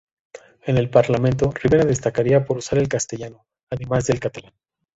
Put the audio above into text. En el Parlamento, Rivera destacaría por usar el castellano, además del catalán.